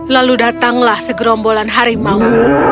lalu datanglah segerombolan harimau